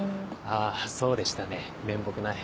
あそうでしたね面目ない。